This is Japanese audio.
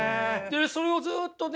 それをずっとね